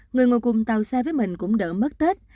người ngồi cùng tàu xe với mình cũng đỡ mất tết